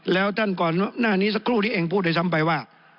แล้วท่านก่อนหน้านี้สักครู่นี้เองพูดได้ซ้ำไปว่า